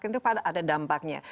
itu ada dampaknya